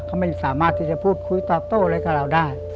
เขาไม่สามารถที่จะพูดคุยตอบโต้อะไรกับเราได้